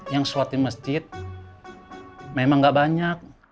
yang sholat di masjid memang gak banyak